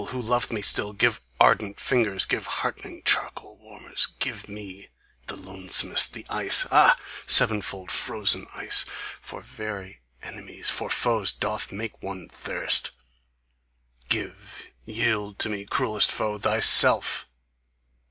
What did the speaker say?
Who lov'th me still? Give ardent fingers, Give heartening charcoal warmers, Give me, the lonesomest, The ice (ah! seven fold frozen ice, For very enemies, For foes, doth make one thirst), Give, yield to me, Cruellest foe, THYSELF!